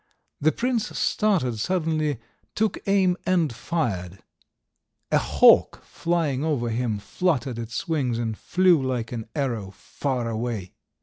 The prince started suddenly, took aim and fired. A hawk, flying over him, fluttered its wings and flew like an arrow far away.